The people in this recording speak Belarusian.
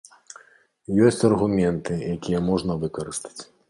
Ёсць аргументы, якія можна выкарыстаць.